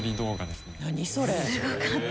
すごかった。